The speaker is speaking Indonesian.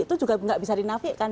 itu juga nggak bisa dinafikan